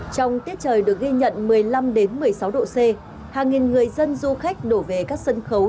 trong tiết trời được ghi nhận một mươi năm một mươi sáu độ c hàng nghìn người dân du khách đổ về các sân khấu